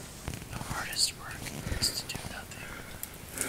The hardest work is to do nothing.